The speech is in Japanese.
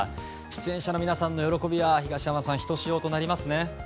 出演者の皆さんの喜びは東山さんひとしおとなりますね。